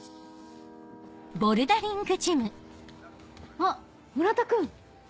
あっ村田君！